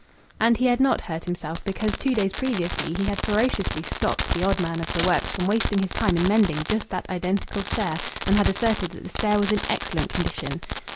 And he had not hurt himself because two days previously he had ferociously stopped the odd man of the works from wasting his time in mending just that identical stair, and had asserted that the stair was in excellent condition.